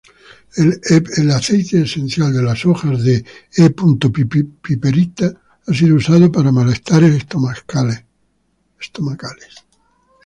El aceite esencial de las hojas de "E.piperita" ha sido usado para malestares estomacales.